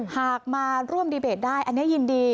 หากมาร่วมดีเบตได้อันนี้ยินดี